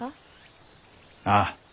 ああ。